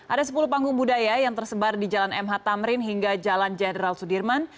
ada sepuluh panggung budaya yang tersebar di jalan mh tamrin hingga jalan jenderal sudirman